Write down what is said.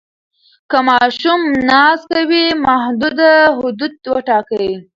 که ماشوم ناز کوي، محدوده حدود وټاکئ.